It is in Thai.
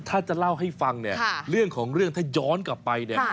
ถ้าจะเล่าให้ฟังเนี่ยเรื่องของเรื่องถ้าย้อนกลับไปเนี่ย